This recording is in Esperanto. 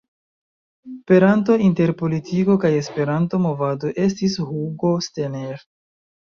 Peranto inter politiko kaj Esperanto-movado estis Hugo Steiner.